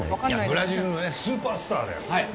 ブラジルのねスーパースターだよはい！